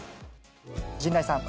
陣内さん。